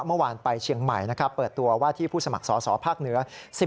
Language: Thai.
เมื่อวานไปเชียงใหม่นะครับเปิดตัวว่าที่ผู้สมัครสอสอภาคเหนือ